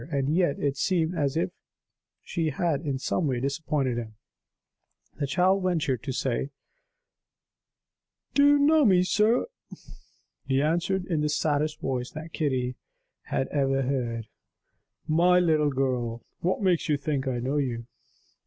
And yet, it seemed as if she had in some way disappointed him. The child ventured to say: "Do you know me, sir?" He answered in the saddest voice that Kitty had ever heard: "My little girl, what makes you think I know you?"